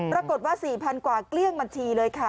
ปรากฏว่า๔๐๐๐กว่าเกลี้ยงบัญชีเลยค่ะ